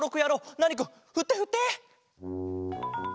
ナーニくんふってふって！